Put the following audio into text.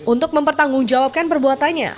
untuk mempertanggungjawabkan perbuatannya